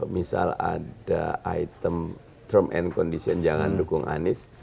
misal ada item term and condition jangan dukung anies